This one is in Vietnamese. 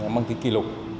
mang tính kỷ lục